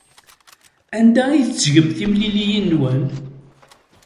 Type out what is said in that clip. Anda ay tettgem timliliyin-nwen?